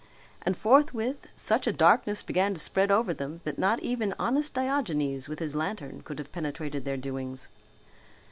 And forthwith such a darkness began to spread over them that not even honest Diogenes with his lantern could have penetrated their doings.